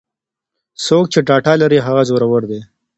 څوک چې ډاټا لري هغه زورور دی.